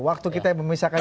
waktu kita yang memisahkan